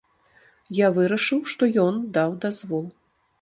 Я вырашыў, што ён даў дазвол.